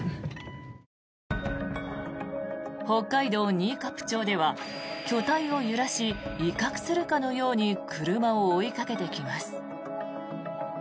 新冠町では巨体を揺らし威嚇するかのように車を追いかけてきます。